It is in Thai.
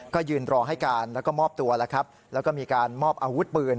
ก็ยืนรอให้การแล้วก็มอบตัวแล้วครับแล้วก็มีการมอบอาวุธปืน